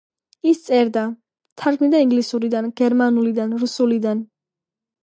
ის წერდა, თარგმნიდა ინგლისურიდან, გერმანულიდან, რუსულიდან.